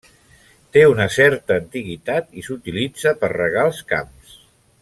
Té una certa antiguitat i s'utilitza per regar els camps.